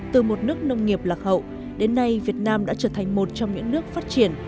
từ một nước nông nghiệp lạc hậu đến nay việt nam đã trở thành một trong những nước phát triển